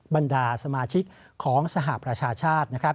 บรรดาสมาชิกของสหประชาชาติ